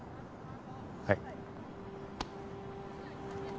はい。